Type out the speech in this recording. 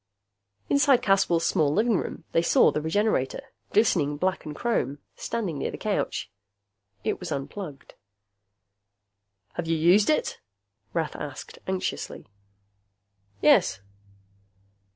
Inside Caswell's small living room, they saw the Regenerator, glistening black and chrome, standing near the couch. It was unplugged. "Have you used it?" Rath asked anxiously. "Yes."